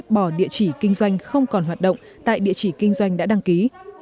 bỏ địa chỉ kinh doanh không còn hoạt động tại địa chỉ kinh doanh đã đăng ký